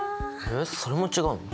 えっそれも違うの？